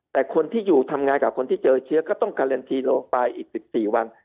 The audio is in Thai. แต่คนที่อยู่ทำงานกับคนที่เจอเชื้อก็ต้องการันทีนลงไปอีก๑๔วัน